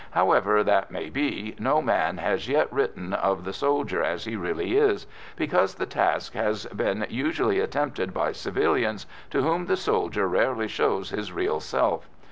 However that may be, no man has yet written of the soldier as he really is, because the task has been usually attempted by civilians, to whom the soldier rarely shows his real self.